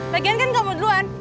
bagian kan gak mau duluan